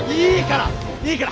いいから！